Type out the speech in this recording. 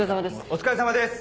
お疲れさまです！